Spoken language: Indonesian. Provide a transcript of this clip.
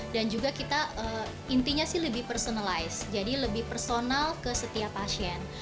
dan juga kita intinya sih lebih personalized jadi lebih personal ke setiap pasien